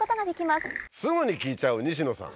すぐに聞いちゃう西野さん。